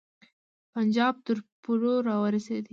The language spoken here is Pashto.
پنجاب تر پولو را ورسېدی.